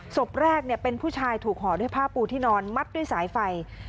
ศพแรกเป็นผู้ชายถูกห่อด้วยผ้าปูที่นอนมัดด้วยสายไฟ